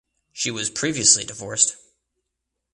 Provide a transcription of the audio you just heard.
She was previously divorced.